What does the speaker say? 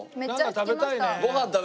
食べたい！